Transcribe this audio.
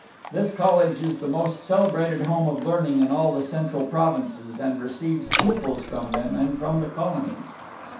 This college is the most celebrated home of learning in all the central provinces, and receives pupils from them and from the colonies.